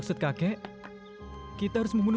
suci aku suamimu